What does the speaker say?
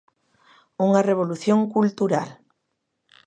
Unha revolución cultural.